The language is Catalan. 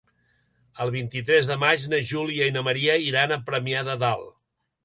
El vint-i-tres de maig na Júlia i na Maria iran a Premià de Dalt.